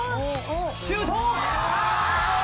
シュート！